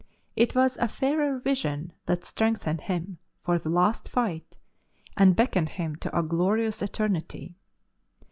It was a fairer vision that strengthened him for the last fight, and beckoned him to a glorious eternity.